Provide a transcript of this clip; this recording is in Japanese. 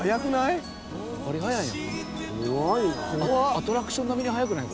アトラクション並みに速くない？